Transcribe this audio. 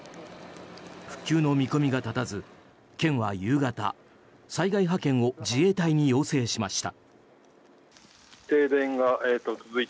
復旧の見込みが立たず県は夕方災害派遣を自衛隊に要請しました。